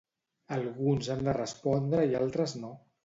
Alguns han de respondre i altres no.